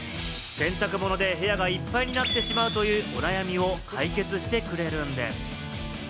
洗濯物で部屋がいっぱいになってしまうというお悩みを解決してくれるんです。